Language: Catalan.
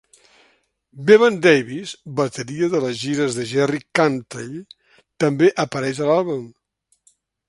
Bevan Davies, bateria a les gires de Jerry Cantrell, també apareix a l'àlbum.